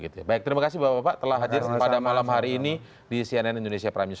terima kasih bapak bapak telah hadir pada malam hari ini di cnn indonesia prime news